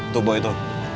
tuh bawa itu